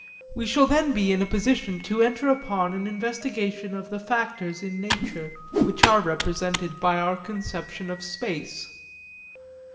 We shall then be in a position to enter upon an investigation of the factors in nature which are represented by our conception of space.